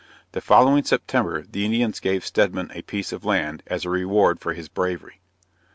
The following September, the Indians gave Stedman a piece of land, as a reward for his bravery.